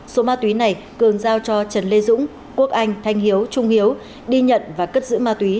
số ma túy này cường giao cho trần lê dũng quốc anh thanh hiếu trung hiếu đi nhận và cất giữ ma túy